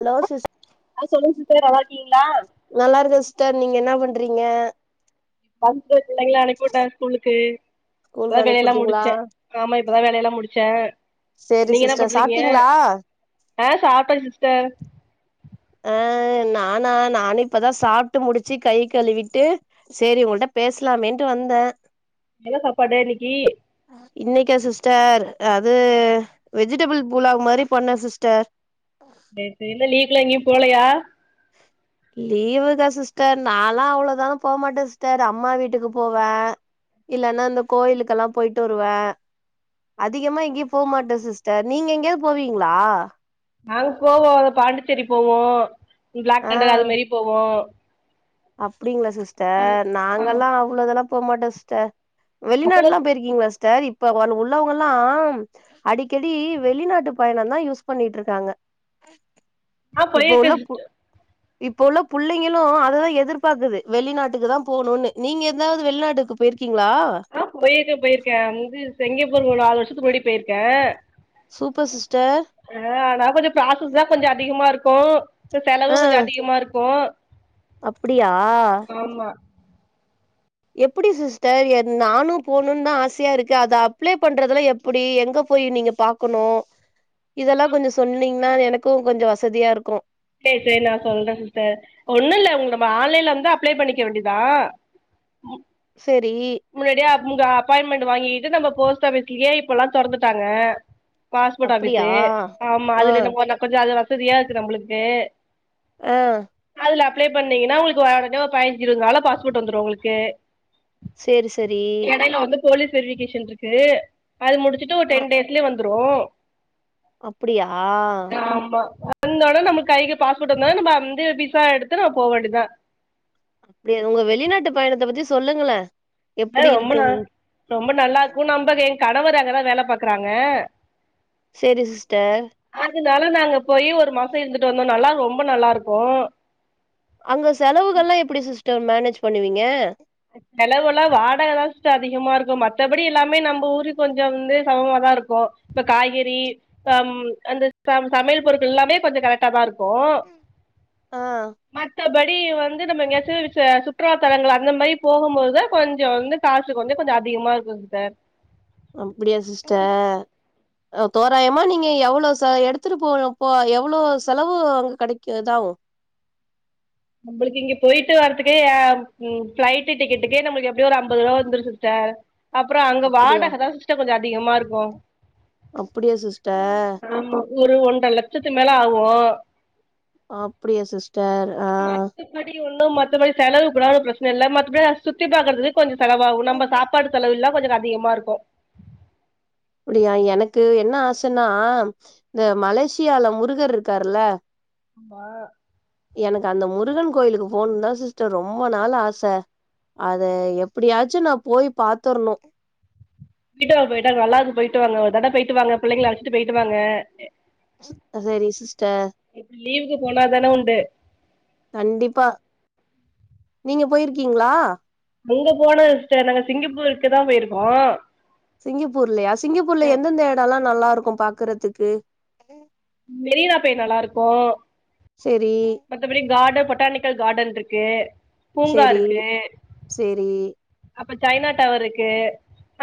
hello sis ஆ சொல்லுங்க sister நல்லா இருக்கீங்ளா நல்லா இருக்கே சிஸ்டர் நீங்க என்ன பண்றீங்க வந்து பிள்ளைங்கள அனுப்பி விட்டே ஸ்கூலுக்கு ஸ்கூலுக்கு இப்பதா வேல அனுப்பிவுட்டீங்களா முடிச்சே ஆமா இப்பதா வேலயெல்லா முடிச்சே சேரி நீங்க என்ன சிஸ்டர் பண்றீங்க சாப்டீங்ளா ஆ சாப்டே சிஸ்டர் அ நானா நானு இப்பதா சாப்புட்டு முடிச்சி கை கழுவிட்டு சேரி உங்ககிட்ட பேசலாமேன்ட்டு வந்தே என்ன சாப்பாடு இன்னிக்கி இன்னைக்கா சிஸ்டர் அது வெஜிடெபிள் புலாவ் மாரி பண்னே சிஸ்டர் சரி சரி இல்ல லிவ்க்குலா எங்கயு போலயா [inaudible] லீவுதா சிஸ்டர் நலா அவ்ளோ தூரோ போமாட்ட சிஸ்டர் அம்மா வீட்டுக்கு போவே இல்லன்னா இந்த கோயிலுக்கெல்லா போயிட்டு வருவே அதிகமா எங்கேயு போமாட்டே சிஸ்டர் நீங்க எங்கயாவது போவீங்களா நாங்க போவோ அத பாண்டிச்சேரி போவோ பிளாக்தண்டர் அது மாரி போவோ அப்படிங்களா ஆ சிஸ்டர் ஆ நாங்கல்லா அவ்வளோதெல்லா போமாட்டோ சிஸ்டர் பசங்க வெளிநாடுல்லா போயிருக்கீங்களா சிஸ்டர் இப்ப வ உள்ளவங்கல்லா அடிக்கடி வெளிநாட்டு பயணந்தா யூஸ் பண்ணிட்டு இருக்காங்க ஆ இப்ப போயிருக்கே உள்ள பு சிஸ்டர் இப்ப உள்ள புள்ளைங்களு அததா எது எதிர்பாக்குது வெளிநாட்டுக்கு தா போணுனு நீங்க எதாவது வெளிநாட்டுக்கு போயிருக்கீங்களா ஆ போயிருக்கே போயிருக்கே வந்து செங்கபோரு ஆறு வருஷத்துக்கு முன்னடி போயிருக்கே சூப்பர் சிஸ்டர் ஆ ஆனா கொஞ்ச ப்ராசஸ் தா கொஞ்ச அதிகமா இருக்கு செலவு ஆ கொஞ்ச அதிகமா இருக்கு அப்டியா ஆமா எப்படி சிஸ்டர் ஏ நானு போகணுன்னு தா ஆசையா இருக்கு அத அப்ளை பண்றதுல எப் அப்டி எங்க போயி நீங்க பாக்கணு இதெல்லா கொஞ்சோ சொன்னீங்கன்னா எனக்கு கொஞ்ச வசதியா இருக்கு சரி சரி நா சொல்றே சிஸ்டர் ஒண்ணுல்ல உங்க ஆன்லைன்ல வந்து அப்ளை பண்ணிக்க வேண்டியதா சரி முன்னாடியா அப்ங்க அப்பயின்மெண்ட் வாங்கிகிட்டு நம்ம போஸ்ட் ஆபிஸ்குக்கே இப்பொல்லா தொறந்துட்டாங்க பாஸ்போர்ட் அப்டியா ஆபிஸு ஆமா ஆ அதுல நம்மன்னா கொஞ்சோ அது வசதியா இருக்கு நம்மளுக்கு ஆ அதுல அப்ளை பண்ணீங்கன்னா உங்களுக் பயஞ்சு இருவதுனால பாஸ்போர்ட் வந்துரு உங்களுக்கு சேரி சரி வந்து போலீஸ் வெரிபிகேஷன் இருக்கு அது முடிச்சுட்டு ஒரு அ டென் டேஸ்லயே வந்துரு அப்டியா ஆமா வந்த உடே நம்ம கைக்கு பாஸ்போர்ட் வந்த நம்ம அந்த விசா எடுத்து நாம போ வேண்டியதா அப்டியா உங்க வெளிநாட்டு பயணத்த பத்தி சொல்லுங்கள ஆ ரொம்ப நா ரொம்ப நல்லாருக்கு நம்ம எ கணவர் அங்கதா வேல பாக்குறாங்க சரி சிஸ்டர் அதனால நாங்க போயி ஒரு மாச இருந்துட்டு வந்தோ நல்லா ரொம்ப நல்லாருக்கு அங்க செலவுகள்லா எப்டி சிஸ்டர் மேனேஜ் பண்ணுவீங்க செலவல்லா வாடகதா சிஸ்டர் அதிகமா இருக்கு மத்தபடி எல்லாமே நம்ம ஊருக்கு கொஞ்சம் வந்து சமமாதா இருக்கு இப்ப காய்கறி அம் அந்த சம் சமையல் பொருட்கள் எல்லாமே கொஞ்ச கரெக்டா தா இருக்கு போ ஆ மத்தபடி வந்து நம்ம எங்காச் சிரிசா சுற்றுலாத்தலங்கள் அந்த மாரி போகும்போது தா கொஞ்ச வந்து காசு வந்து கொஞ்ச அதிகமா இருக்கு சார் அப்டியா சிஸ்டர் அ தோராயமா நீங்க எவ்ளோ ச எடுத்துட்டு போ எவ்வளோ செலவு அங்க கெடைக்கு இதாவு நம்மளுக்கு இங்க போயிட்டு வர்றதுக்கே ஏ ம் பிளைட் டிக்கெட்டுக்கே நம்மளுக்கு எப்டியோ ஒரு ஐம்பது ரூபா வந்துரு சிஸ்டர் அப்பறோ அங்க அப்டியா வாடகதா சிஸ்டர் கொஞ்ச அதிகமா இருக்கு அப்படியா சிஸ்டர் ஆமா ஒரு ஒன்ற லட்சத்து மேல ஆகு அப்டியா சிஸ்டர் அ மத்தபடி ஒன்னு மத்தபடி செலவுகுடாதா ப்ரச்சன இல்ல மத்தடி நா சுத்தி பாக்குறதுக் கொஞ்சோ செலவாகு நம்ம சாப்பாடு செலவில்ல கொஞ்சோ அதிகமா இருக்கு அப்டியா எனக்கு என்ன ஆசனா இந்த மலேசியால முருகர் இருக்காருல ஆமா எனக்கு அந்த முருகன் கோயிலுக்கு போணுன்தா சிஸ்டர் ரொம்ப நாள் ஆச அத எப்டியாச்சு நா போய் பாத்தர்ணு போய்ட்டாங்க போய்ட்டாங்க நல்ல இருக்கு போயிட்டு வாங்க ஒரு தட போயிட்டு வாங்க புள்ளைங்கள அழச்சுட்டு போயிட்டு வாங்க சரி சிஸ்டர் இப்ப லீவுக்கு போனாதான உண்டு கண்டிப்பா நீங்க போயிருக்கீங்ளா அங்க போனதுல்ல சிஸ்டர் நாங்க சிங்கப்பூருக்குதா போய்ருக்கோ சிங்கப்பூர்லயா சிங்கப்பூர்ல எந்தெந்த எடலா நல்லாருக்கு பாக்கறதுக்கு மெரினா போய் நல்லாருக்கு செரி மத்தபடி கார்டன் பொட்டானிக்கல் காட்டன்ருக்கு பூங்கா செரி இருக்கு செரி அப்ப சைனா டவர் இருக்கு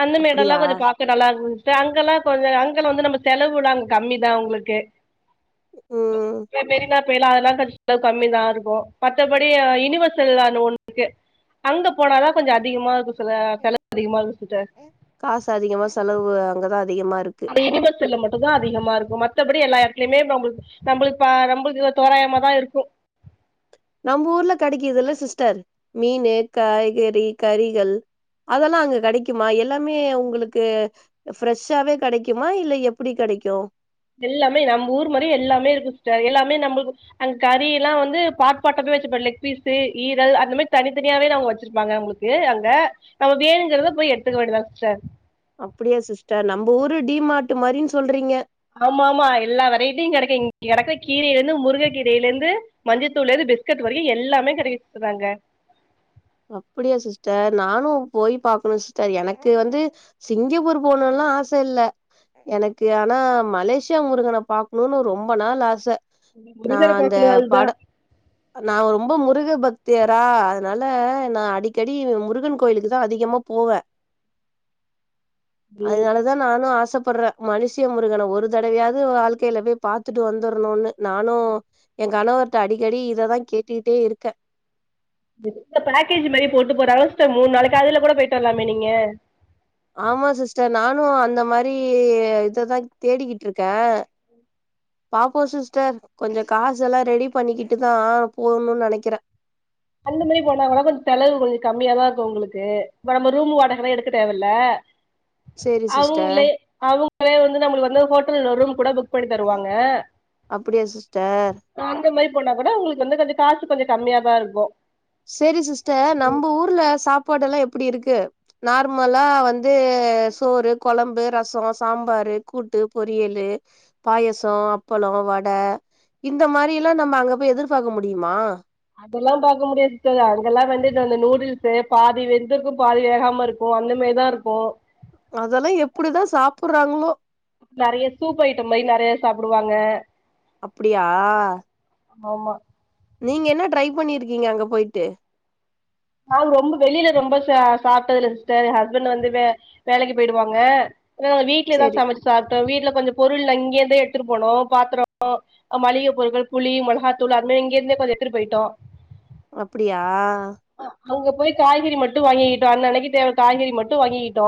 அந்த மேடலா அப்டியா கொஞ்சோ பாக் நல்லாருக்கு சிஸ்டர் அங்கல்லா கொஞ்சோ அங்க வந்து நம்ம செலவுலா அங்க கம்மிதா உங்குளுக்கு ம் மெ மெரினா ல்லா அதெல்லா கம்மிதாருக்கு மத்தபடி யூனிவர்சல்ல அந்த ஒன்னுருக்கு அங்க போனாதா கொஞ்சோ அதிகமா இருக்கு செலவு அதிகமா இருக்கு சிஸ்டர் காசு அதிகமா செலவு அங்கதா அதிகமா இருக்கு அந்த யுனிவர்சல்ல மட்டுதா அதிகமா இருக்கு மத்தபடி எல்லா எடத்திலயுமே நம்முளுக்கு நம்புளுக் பா நம்புளுக்கு தோராயமாதா இருக்கு நம்ம ஊர்ல கெடைக்குதுல சிஸ்டர் மீனு காய்கறி கறிகள் அதெல்லா அங்க கடைக்குமா எல்லாமே உங்குளுக்கு ஃப்ரெஷ்ஷாவே கடைக்குமா இல்ல எப்புடி கடைக்கு எல்லாமே நம்ம ஊர் மாரி எல்லாமே இருக்கு சிஸ்டர் எல்லாமே நம்ளுக்கு அங்க கறிலா வந்து பாட் பாட்டாவே வெச்சிப்பாங் லெக் பீஸு ஈரல் அந்த மாரி தனித்தனியாவேதா அவுங்க வெச்சிருப்பாங்க உங்குளுக் கு அங்க நம்ம வேணுங்கறத போய் எடுத்துக்க வேண்டிதா சிஸ்டர் அப்புடியா சிஸ்டர் நம்ப ஊரு டி மார்டு மாரின் சொல்றீங்க ஆமா ஆமா எல்லா வெரைட்டியு கடைக்கு இங்க கடக்க கீரைல இருந்து முருக கீரைல இருந்து மஞ்சத்தூள்லருந்து பிஸ்கெட் வரிக்கு எல்லாமே கடைக்கு சிஸ்டர் அங்க அப்புடியா சிஸ்டர் நானு போய் பாக்கணு சிஸ்டர் எனக்கு வந்து சிங்கப்பூர் போனுலா ஆச இல்ல எனக்கு ஆனா மலேசியா முருகன பாக்கணுனு ரொம்ப நாள் ஆச நா முருகர அந்த பாக்கணு அதுதா பட நா ரொம்ப முருக பக்தியரா அதனால நா அடிக்கடி முருகன் கோயிலுக்குதா அதிகமா போவே ம் அதனாலதா அதா நானு ஆசப்பட்றே மலேசியா முருகன ஒரு தடவயாது வாழ்க்கைல போய் பாத்துட்டு வந்துரணூனு நானு எ கணவர்ட்ட அடிக்கடி இததா கேட்டுகுட்டே இருக்கே இந்த பேக்கேஜ் மாரி போட்டு போறாங்க சிஸ்டர் மூண் நாளைக்கு அதுல கூட போய்ட்டு வர்லாமே நீங்க ஆமா சிஸ்டர் நானு அந்த மாரி இததா தேடிக்குட்ருக்கே பாப்போ சிஸ்டர் கொஞ்சோ காசல்லா ரெடி பண்ணிக்குட்டுதா போணுன் நெனைக்குற அந்த மாரி போனாகூட கொஞ்சோ செலவு கொஞ்சோ கம்மியாதா இருக்கு உங்குளுக்கு இப்ப நம்ம ரூமு வாடகலா எடுக்க தேவல்ல சேரி சிஸ்டர் அவுங்ளே அவ்ங்களே வந்து நம்மளுக்கு வந்து ஹோட்டல ஒரு ரூம் கூட புக் பண்ணி தருவாங்க அப்டியா சிஸ்டர் ஆ அந்த மாரி போனா கூட உங்களுக்கு வந்து கொஞ்ச காசு கொஞ்ச கம்மியா தா இருக்கு சேரி சிஸ்டர் நம்ப ஊர்ல சாப்பாடெல்லா எப்டி இருக்கு நார்மலா வந்து சோறு கொழம்பு ரச சாம்பாரு கூட்டு பொரியலு பாயசோ அப்பள வட இந்த மாரியெல்லா நம்ம அங்க போய் எதிர்பாக்க முடியுமா அதல்லா பாக்க முடியாது சிஸ்டர் அங்கலா வந்து இது அந்த நூடுல்ஸு பாதி வெந்திருக்கு பாதி வேகாமருக் இப்போ அந்த மெய்தா இருக்கு அதெல்லா எப்டிதா சாப்புட்றாங்களோ நெறைய சூப் ஐட்டம் மாரி நெறையா சாப்டுவாங்க அப்டியா ஆமா நீங்க என்ன ட்ரை பண்ணிருக்கீங்க அங்க போயிட்டு நாங் ரொம்ப வெளில ரொம்ப சா சாப்ட்டதில்ல சிஸ்டர் எ ஹஸ்பண்ட் வந்து வே வேலைக்கு போயிடுவாங்க நா வீட்லேதா சேரி சமச்சு சாப்ட்டே வீட்ல கொஞ்ச பொருள் அங்கெருந்தே எடுத்துட்டு போனோ பாத்தரோ அ மளிக பொருட்கள் புளி மொளகாத்தூளு அது மாரி இங்கருந்தே கொஞ்ச எடுத்துட்டு போயிட்டோ அப்டியா அங்க போய் காய்கறி மட்டு வாங்கிக்கிட்டோ அன் அன்னைக்கி தேவ காய்கறி மட்டு வாங்கிக்கிட்டோ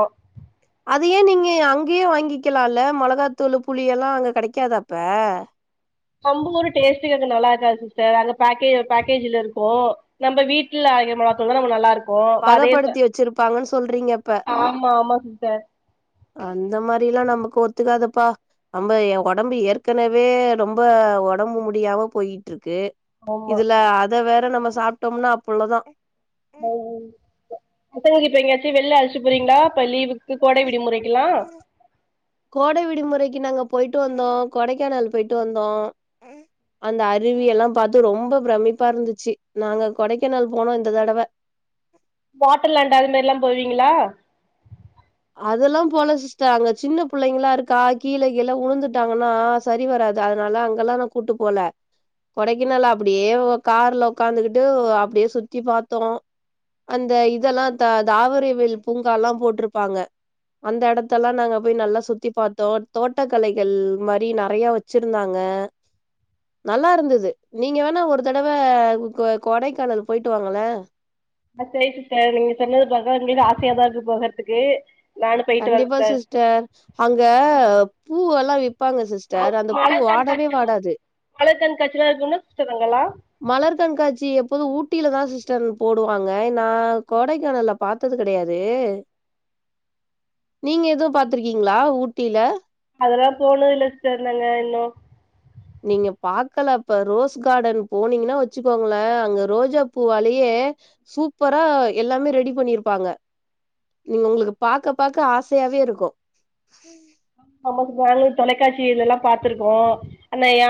அது ஏ நீங்க அங்கே வாங்கிக்கலால மொளகாத்தூளு புளியெல்லா அங்க கெடைக்காதா அப்ப நம்பவூரு டேஸ்ட்டுக்கு அது நல்ல இருக்காது சிஸ்டர் அங்க பேக்கே பேக்கேஜுல இருக்கு நம்ப வீட்டுல ஆரைக்கிற மொளகாத்தூளு தா நமக்கு நல்லாருக்கு ஓ வரேன்ட்ட பதப்படுத்தி வச்சிருப்பாங்கன்னு சொல்றீங்க அப்ப ஆமா ஆமா சிஸ்டர் அந்த மாரிலா நமக்கு ஒத்துக்காதுப்பா நம்ம எ ஒடம்பு ஏற்கனவே ரொம்ப ஒடம்பு முடியாம போயிட்ருக்கு ஆமா இதுல அத வேற நம்ம சாப்ட்டம்னா அவ்வளதா முத்தழகு இப்ப எங்காச்சு வெள்ல அழச்சு போறீங்ளா இப்ப லீவுக்கு கு கோடை விடுமுறைக்குலா கோடை விடுமுறைக்கு நாங்க போயிட்டு வந்தோ கொடைக்கானல் போயிட்டு வந்தோ அந்த அருவியெல்லா பாத்து ரொம்ப பிரமிப்பா இருந்துச்சு நாங்க கொடைக்கானல் போனோ இந்த தடவ வாட்டர்லாண்ட் அது மாரிலா போவீங்களா அதெல்லா போல சிஸ்டர் அங்க சின்ன புள்ளைங்கலா இருக்கா கீழ கீழ உழுந்துட்டாங்கனா சரி வராது அதனால அங்கலா நா கூட்டு போல கொடைக்கானல அப்டியே இவ கார்ல ஒக்காந்துகிட்டு அப்டியே சுத்தி பாத்தோ அந்த இதேல்லா த தாமரைவேல் பூங்காலா போட்ருப்பாங்க அந்த எடத்தலா நாங்க போய் நல்லா சுத்தி பாத்தோ தோட்டக்கலைகள் மாரி நெறையா வச் ச்சுருந்தாங்க நல்லா இருந்தது நீங்க வேணா ஒரு தடவ கொ கொடைக்கானல் போயிட்டு வாங்களே அ சேரி சிஸ்டர் நீங்க சொன்னது பாக்க எங்களுக்கு ஆசயாதா இருக்கு போகற்த்துக்கு கண்டிப்பா சிஸ்டர் அங்க பூவெல்லா விப்பாங்க சிஸ் ஸ்டர் அந்த பூ மலர் வாடவே கண்காட்சிலா வாடாது மலர் கண்காட்சிலா இருக்கும்ல சிஸ்டர் அங்கலா மலர் கண்காட்சி எப்போது ஊட்டிலதா சிஸ்டர்ன் போடுவாங்க நா கொடைக்கானல்ல பாத்தது கெடையாது நீங்க எது பாத்துருக்கீங்ளா ஊட்டில அதெல்லா போனதில்ல சிஸ்டர் நாங்க இன்னு நீங்க பாக்கலப்ப ரோஸ் கார்டன் போனீங்கன்னா வச்சுக்கோங்களே அங்க ரோஜா பூவாலயே சூப்பரா எல்லாமே ரெடி பண்ணிருப்பாங்க இங்க உங்களுக்கு பாக்க பாக்க ஆசயாவேருக்கு ஆமா நாங்கள தொலைக்காட்சிலெல்லா பாத்துருக்கோ ஆனா யா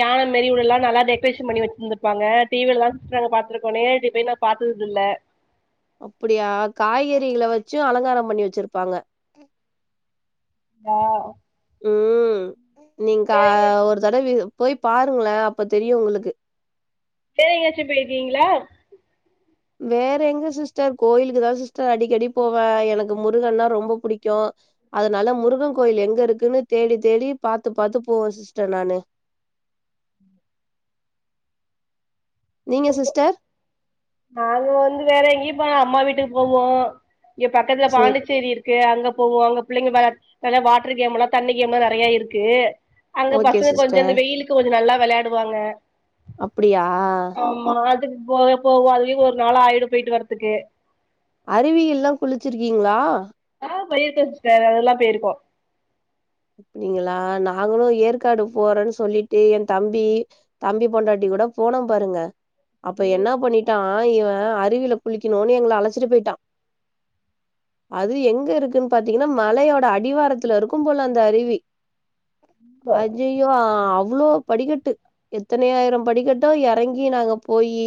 யான மேரி வுல்லா நல்லா டெக்ரேஷன் பண்ணி வெச்சுந்திருப்பாங்க டிவில தா சிஸ்டர் நாங்க பாத்துருக்கோ நேரடி பாத்ததுல்ல அப்டியா காய்கறிகள வெச்சும் அலங்காரம் பண்ணி வெச்சிருப்பாங்க ஆ ம் நீங்க வேற எங்கயாச்சு ஒரு தடவ போய் பாருங்களே அப்ப தெரியு உங்களுக்கு சரி எங்கச்சிப்போயிக்கீங்களா வேற எங்க சிஸ்டர் கோயிலுக்கு தா சிஸ்டர் அடிக்கடி போவ எனக்கு முருகன்னா ரொம்ப புடிக்கு அதனால முருக கோயில் எங்க இருக்குன்னு தேடி தேடி பாத்து பாத்து போவே சிஸ்டர் நானு நீங்க சிஸ்டர் நாங்க வந்து வேற எங்கயு போல அம்மா வீட்டுக்கு போவோ இங்க பக்கத்துல சேரி பாண்டிச்சேரி இருக் கு அங்க போவோ அங்க பிள்ளைங்க வெளா வாட்ர் கேம்மல்லா தண்ணி கேம்லா நெறைய இருக்கு அங்க ஓகே பசங்க கொஞ்சம் சிஸ்டர் அந்த வெயிலுக்கு கொஞ்சம் நல்லா வெளாடுவாங்க அப்டியா ஆமா அதுக்கு போவெ போவோ அதுலயு ஒரு நாள் ஆயிடு போயிட்டு வர்துக்கு அருவியில்லா குளிச்சிருக்கீங்ளா ஆ போயிருக்கோ சிஸ்டர் அதெல்லா போயிருக்கோ அப்டிங்களா நாங்ளும் ஏற்காடு போறன்னு சொல்லிட்டு என் தம்பி தம்பி பொண்டாட்டி கூட போனோம் பாருங்க அப்ப ம் என்னா பண்ணிட் நா இவன் அருவில குளிக்கணுன்னு எங்கள அழச்சிட்டு போய்ட்டா அதுவு எங்க இருக்குனு பாத்தீங்ன்னா மலையோட அடிவாரத்துல இருக்கும் போல அந்த தரிவி அஜய் யோ அவ்ளோ படிகட்டு எத்தனாயிரம் படிகட்டோ எறங்கி நாங்க போயி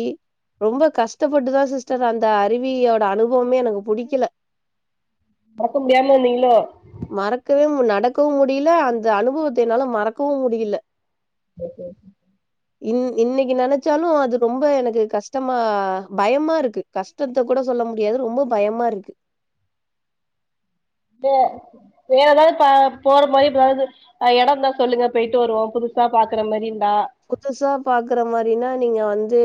ரொம்ப கஷ்டப்பட்டுதா சிஸ்டர் அந்த அருவியோட அனுபவமே எனக்கு புடிக்கல மறக்க முடியாம வந்தீங்ளோ மறக்கவே முல நடக்கவும் முடியல அந்த அனுபவத்த என்னால மறக்கவும் முடியல ஓகே இன் இன்னைக்கி நெனைச்சாலு அது ரொம்ப எனக்கு கஷ்டமா பயமா இருக்கு கஷ்டத்த கூட சொல்ல முடியாது ரொம்ப பயமாருக்கு வே வேற எதாது பா போற மாரி ஏதாவது அஹ் எடந்தா சொல்லுங்க போயிட்டு வருவோ புதுசா பாக்குற மாரி இருந்தா புதுசா பாக்குற மாரினா நீங்க வந்து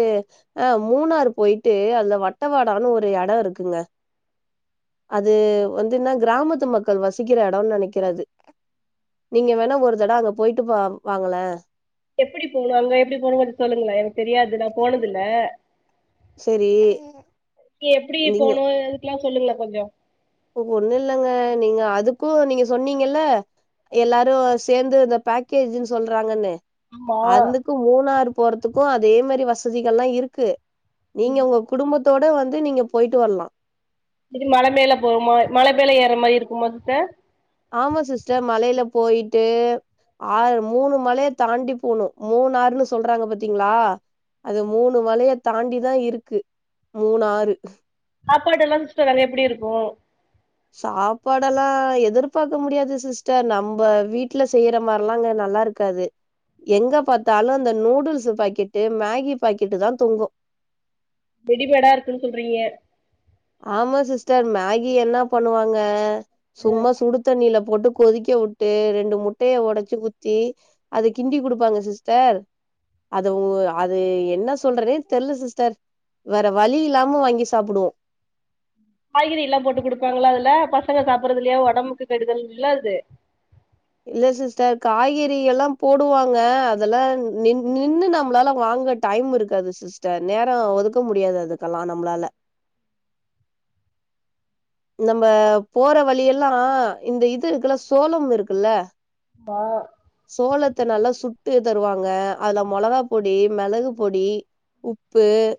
அங் மூணார் போயிட்டு அதுல வட்டவாடான்னு ஒரு எடோ இருக்குங்க அது வந்துன்னா கிராமத்து மக்கள் வசிக்கிற எடோன் நெனைக்கிறே அது நீங்க வேணா ஒரு தட அங்க போயிட்டு பா வாங்களே எப்புடி போவணு அங்க எபுடி போணும் கொஞ் சொல்லுங்ளே எனக்கு தெரியாது நா போனதில்ல சரி எப்டி நீங்க போனு எனுக்கெல்லா சொல்லுங்க கொஞ்சோ ஒண்ணு இல்லங்க நீங்க அதுக்கு நீங்க சொன்னீங்கல்ல எல்லாரு சேந்து இந்த பேக்கேஜ்னு சொல்றாங்கன்னு ஆமா அந்துக்கு மூணாறு போறதுக்கு அதே மேரி வசதிகல்லா இருக்கு நீங்க ம் உங்க குடும்பத்தோட வந்து நீங்க போயிட்டு வர்லா இது மல மேல போமா மல மேல ஏற மாரி இருக்குமா சிஸ்டர் ஆமா சிஸ்டர் மலையில போயிட்டு ஆறு மூணு மலைய தாண்டி போணும் மூணாறுன்னு சொல்றாங்க பாத்தீங்களா அது மூணு மலைய தாண்டிதான் இருக்கு மூணாறு சாப்பாடெல்லாம் சிஸ்டர் அங்க எப்டி இருக்கும் சாப்பாடெல்லாம் எதிர்பாக்க முடியாது சிஸ்டர் நம்ப வீட்ல செய்ற மார்ல்லாம் அங்க நல்லா இருக் க்காது எங்க பாத்தாலும் அந்த நூடுல்ஸ் பாக்கெட்டு மேகி பாக்கெட்டு தான் தொங்கும் ரெடிமேடா இருக்குன்னு சொல்றீங்க ஆமா சிஸ்டர் மேகி என்ன பண்ணுவாங்க சும்மா சுடு தண்ணியில போட்டு கொதிக்க வுட்டு ரெண்டு முட்டையை உடைச்சு ஊத்தி அது கிண்டி குடுப்பாங்க சிஸ்டர் அதவு அது என்ன சொல்றதே தெர்ல சிஸ்டர் வேற வலி இல்லாம வாங்கி சாப்பிடுவோ காய்கறில்லாம் போட்டு கொடுப்பாங்களா அதுல பசங்க சாப்பிடடுறதுலையா உடம்புக்கு கெடுதல் இல்லையா அது இல்ல சிஸ்டர் காய்கறி எல்லாம் போடுவாங்க அதெல்லாம் நி நின்னு நம்மளால வாங்க டைம் இருக்காது சிஸ்டர் நேரம் ஒதுக்க முடியாது அதுக்கெல்லா நம்பளால நம்ம போற வழியெல்லா இந்த இது இருக்குல்லா சோளம் இருக்குல்ல வா சோளத்தை நல்லா சுட்டு தருவாங்க அதுல மொளகா பொடி மிளகு பொடி உப்பு